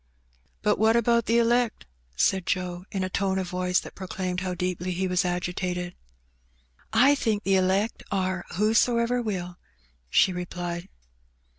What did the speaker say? " But what about the elect ?" said Joe, in a tone of voice that proclaimed how deeply he was agitated. "I think the elect are 'whosoever will,'" she replied.